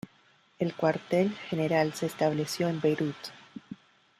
El cuartel general se estableció en Beirut.